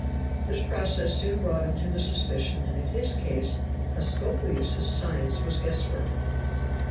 This process soon brought him to the suspicion that in his case Aesculapius's science was guess work.